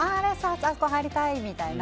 あそこ入りたい！みたいな。